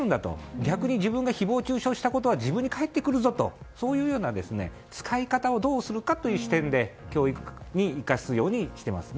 逆に自分が誹謗中傷したことは自分に返ってくるぞというような使い方をどうするかという視点で教育に生かすようにしています。